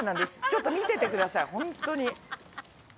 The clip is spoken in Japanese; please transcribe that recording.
ちょっと見ててくださいホントに。